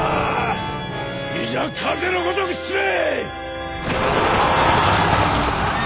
いざ風の如く進め！